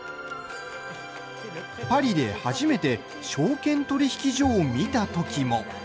パリで初めて証券取引所を見たときも。